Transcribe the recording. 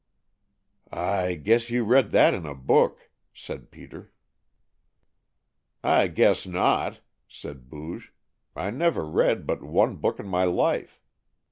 "I guess you read that in a book," said Peter. "I guess not," said Booge. "I never read but one book in my life.